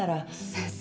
先生。